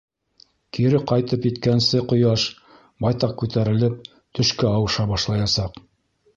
Кире ҡайтып еткәнсе ҡояш, байтаҡ күтәрелеп, төшкә ауыша башлаясаҡ.